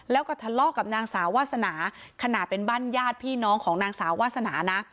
แล้วก็ทะเลาะกับนางสาววาสนาขนาดเป็นบ้านญาติพี่น้องของนางสาววาสนานะ